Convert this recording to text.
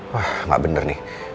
wah gak bener nih